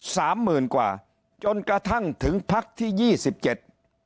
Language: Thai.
สามหมื่นกว่าจนกระทั่งถึงพักที่ยี่สิบเจ็ด